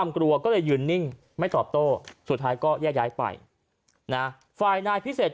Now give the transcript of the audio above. กลัวก็เลยยืนนิ่งไม่ตอบโต้สุดท้ายก็แยกย้ายไปนะฝ่ายนายพิเศษ